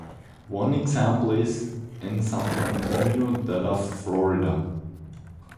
One example is ""En San Antonio de la Florida"".